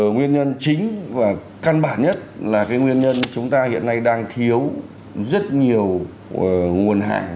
nguyên nhân chính và căn bản nhất là nguyên nhân chúng ta hiện nay đang thiếu rất nhiều nguồn hàng